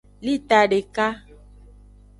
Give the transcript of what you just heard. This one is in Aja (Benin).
Lita deka.